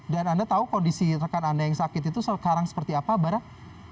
dan anda tahu kondisi rekan anda yang sakit itu sekarang seperti apa barak